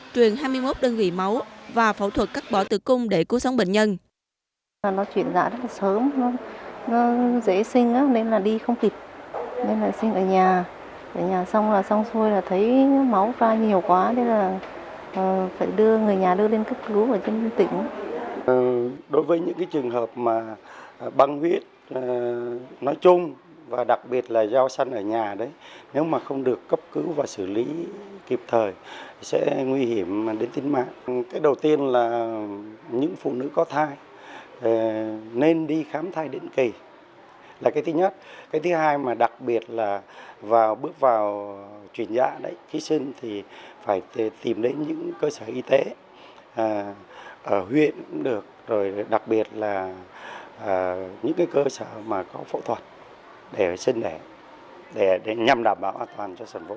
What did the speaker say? truyền hai mươi một đơn vị máu và phẫu thuật cắt bỏ tự cung để cứu sống bệnh nhân